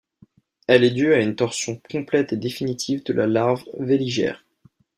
Elle est due à une torsion complète et définitive de la larve véligère.